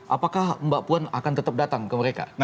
apakah mbak puan akan tetap datang ke mereka